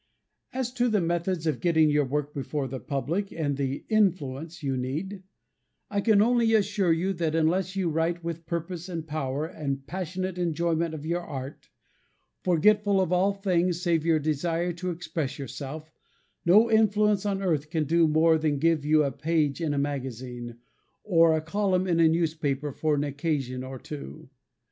As to the methods of getting your work before the public and the "influence" you need, I can only assure you that unless you write with purpose, and power, and passionate enjoyment of your art, forgetful of all things save your desire to express yourself, no influence on earth can do more than give you a page in a magazine, or a column in a newspaper for an occasion or two.